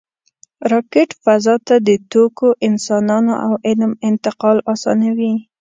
راکټ فضا ته د توکو، انسانانو او علم انتقال آسانوي